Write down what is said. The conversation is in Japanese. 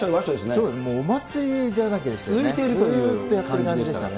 そうです、もうお祭りだらけでしたよね。